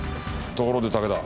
ところで武田。